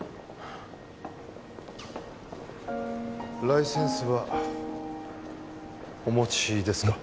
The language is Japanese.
ライセンスはお持ちですか？